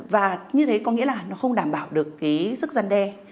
và như thế có nghĩa là nó không đảm bảo được cái sức gian đe